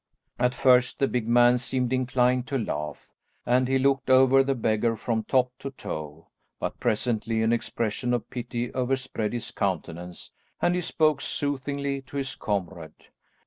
At first the big man seemed inclined to laugh, and he looked over the beggar from top to toe, but presently an expression of pity overspread his countenance, and he spoke soothingly to his comrade.